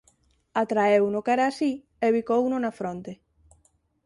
Atraeuno cara a si e bicouno na fronte.